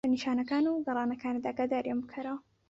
لە نیشانەکان و گەرانەکانت ئاگاداریان بکەرەوە.